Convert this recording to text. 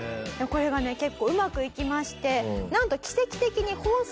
これがね結構うまくいきましてなんと。